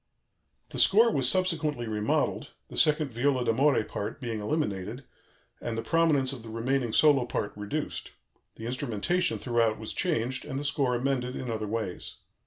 The score was subsequently remodelled, the second viola d'amore part being eliminated and the prominence of the remaining solo part reduced; the instrumentation throughout was changed, and the score amended in other ways.